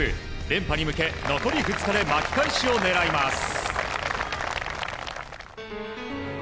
連覇に向け残り２日で巻き返しを狙います。